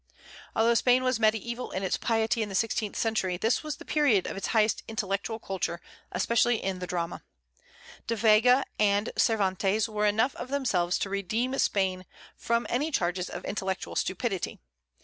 Although Spain was mediaeval in its piety in the sixteenth century, this was the period of its highest intellectual culture, especially in the drama. De Vega and Cervantes were enough of themselves to redeem Spain from any charges of intellectual stupidity.